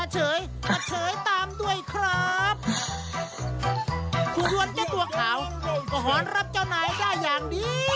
จะเฉยมาเฉยตามด้วยครับคุณล้วนเจ้าตัวขาวก็หอนรับเจ้านายได้อย่างดี